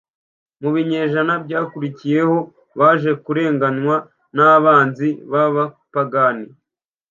Mu binyejana byakurikiyeho baje kurenganywa n'abanzi b'abapagani,